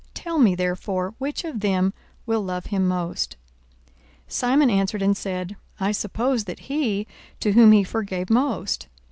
Tell me therefore, which of them will love him most? 42:007:043 Simon answered and said, I suppose that he, to whom he forgave most.